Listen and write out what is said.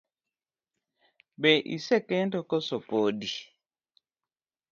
Be isekendo kose podi.